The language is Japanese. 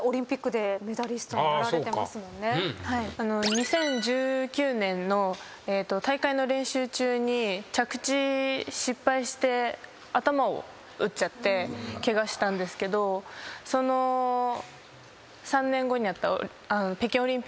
２０１９年の大会の練習中に着地失敗して頭を打っちゃってケガしたんですけどその３年後にあった。